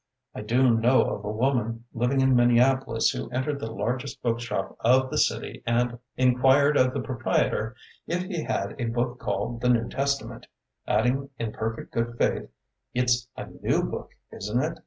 I do know of a woman, liv ing in Minneapolis, who entered the largest bookshop of the city and in quired of the proprietor if he had a book called the New Testament, add ing in perfect good faith : "It's a new book, isn't it?"